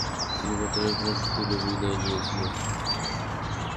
তিনি মাত্র এক রান তুলে বিদেয় নিয়েছিলেন।